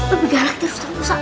lebih galak dari ustadz muhtar